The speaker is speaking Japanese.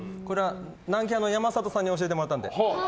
南キャンの山里さんに教えてもらったので。